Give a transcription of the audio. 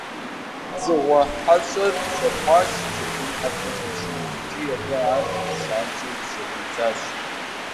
Дзыгъуэ хьэщӀэр щӀэпхъуащ, джэдум ӀэплӀэ хуищӀыну икӀи абы ар занщӀэу жьэдидзащ.